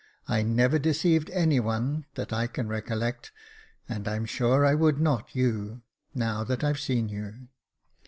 I never deceived anyone that I can recollect ; and I'm sure I would not you — now that I've seen you."